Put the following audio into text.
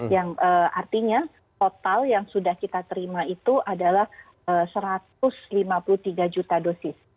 yang artinya total yang sudah kita terima itu adalah satu ratus lima puluh tiga juta dosis